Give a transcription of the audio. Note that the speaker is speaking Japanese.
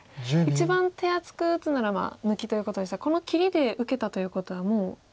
一番手厚く打つなら抜きということでしたがこの切りで受けたということはもう。